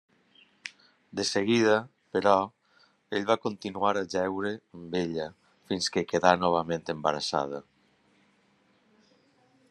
De seguida, però, ell va continuar a jeure amb ella, fins que quedà novament embarassada.